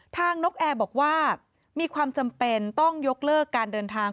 นกแอร์บอกว่ามีความจำเป็นต้องยกเลิกการเดินทาง